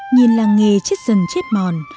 nhìn làng nghề chết dần chết mòn